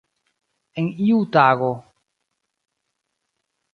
En iu tago.